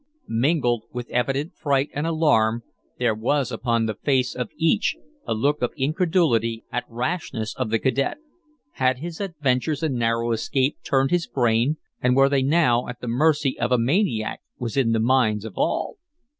Mingled with evident fright and alarm there was upon the face of each a look of incredulity at rashness of the cadet. Had his adventures and narrow escapes turned his brain, and were they now at the mercy of a maniac? was in the minds of all.